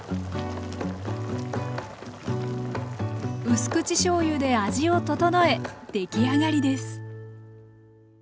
うす口しょうゆで味を調え出来上がりです。